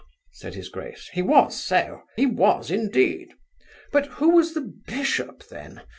(said his grace) he was so He was, indeed! But who was the Bishop then!